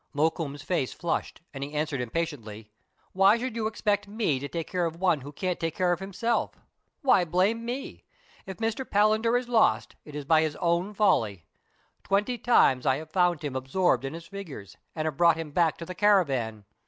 Mokoum's face flushed, and he answered impatiently, —" Why should you expect me to take care of one who can't take care of himself? Why blame me.? If Mr. Palander is lost, it is by his own folly. Twenty times I have found him absorbed in his figures, and have brought him back to the caravan.